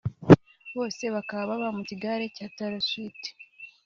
bose bakaba baba mu kigare cya Taylor Swift